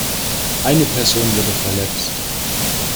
Eine Person wurde verletzt.